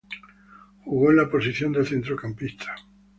Jugó en la posición de centrocampista.